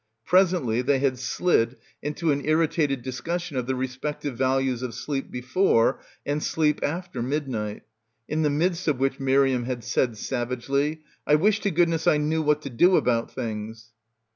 Presently they had slid into an irritated discussion of the respective values of sleep before and sleep after midnight, in the midst of which Miriam had said savagely, "I wish to goodness I knew what to do about things."